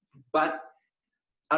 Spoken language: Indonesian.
karena pengangguran teksi mengadu